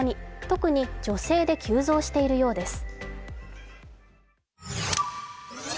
特に女性で急増しているようです。